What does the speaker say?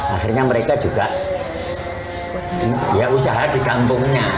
akhirnya mereka juga ya usaha di kampungnya